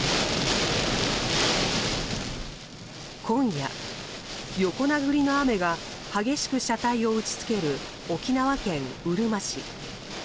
今夜、横殴りの雨が激しく車体を打ちつける沖縄県うるま市。